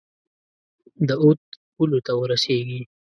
د اود پولو ته ورسیږي.